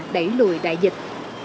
đẩy lùi đại dịch